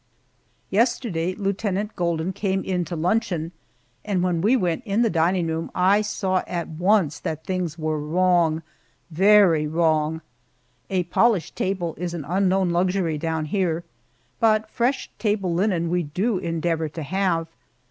Yesterday, Lieutenant Golden came in to luncheon, and when we went in the dining room I saw at once that things were wrong, very wrong. A polished table is an unknown luxury down here, but fresh table linen we do endeavor to have.